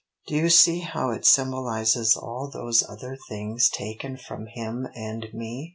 Do you see how it symbolises all those other things taken from him and me?